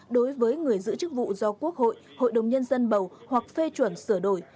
đối với người giữ chức vụ do quốc hội hội đồng nhân dân bầu hoặc phê chuẩn sửa đổi